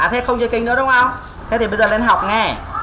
à thế không chơi kính nữa đúng không thế thì bây giờ lên học nghe